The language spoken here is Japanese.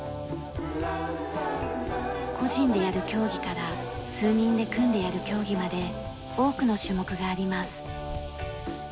個人でやる競技から数人で組んでやる競技まで多くの種目があります。